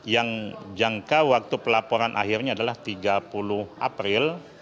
yang jangka waktu pelaporan akhirnya adalah tiga puluh april